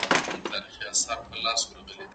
په دفترونو کي باید له زړو کسانو سره مرسته وشي.